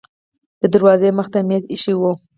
د دروازې مخې ته میز ایښی و.